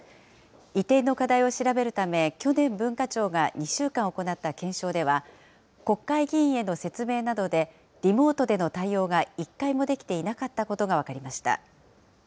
移転の課題を調べるため、去年、文化庁が２週間行った検証では、国会議員への説明などで、リモートでの対応が１回もできていなかったことが分かりました。